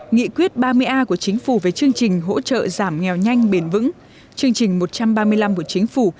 nghị quyết ba mươi a của chính phủ về chương trình hỗ trợ giảm nghèo nhanh bền vững chương trình một trăm ba mươi năm của chính phủ